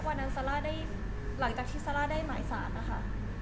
ข้อเรียกร้อง๖ข้อหลังจากที่สาราได้หมาย๓นะคะ